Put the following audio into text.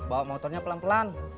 bawa motornya pelan pelan